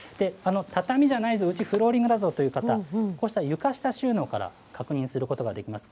畳じゃないぞ、うち、フローリングだぞという方、こうした床下収納から確認することができます。